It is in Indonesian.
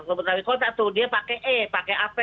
ke betawi kota tuh dia pakai e pakai ap